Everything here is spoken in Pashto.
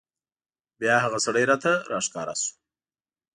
بیا هغه سړی راته راښکاره شو.